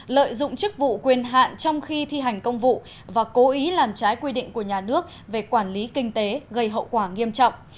lợi dụng chức vụ quyền hạn trong khi thi hành công vụ và cố ý làm trái quy định của nhà nước về quản lý kinh tế gây hậu quả nghiêm trọng